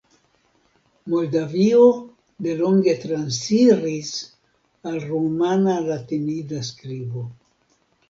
Moldavio delonge transiris al rumana latinida skribo.